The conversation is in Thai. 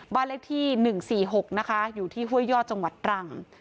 บ้านเลขที่หนึ่งสี่หกนะคะอยู่ที่ห้วยย่อจังหวัดตรัง